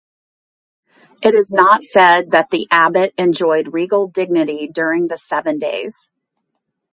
It is not said that the abbot enjoyed regal dignity during the seven days.